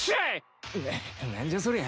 何じゃそりゃ。